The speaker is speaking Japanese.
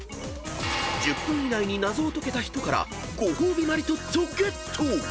［１０分以内に謎を解けた人からご褒美マリトッツォをゲット！］